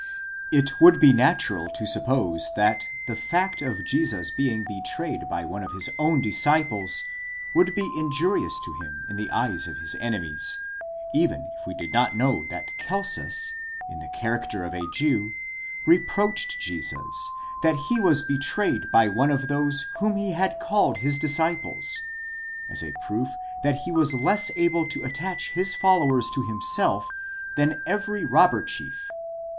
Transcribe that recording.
It would be natural to suppose, that the fact of Jesus being betrayed by one of his own disciples, would be injurious to him in the eyes of his enemies, even if we did not know that Celsus, in the character of a Jew, reproached Jesus that he was betrayed by one of those whom he called his disciples, ὅτι ὑφ᾽ ὧν ὠνόμαζε μαθητῶν προὐδόθη, as a proof that he was less able to attach his followers to himself than every robber chief.